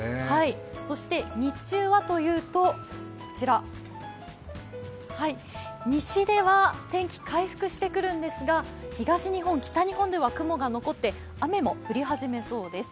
日中はというと、西では天気が回復してくるんですが、東日本、北日本では雲が残って雨も降り始めそうです。